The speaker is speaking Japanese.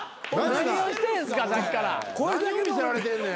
何を見せられてんねん。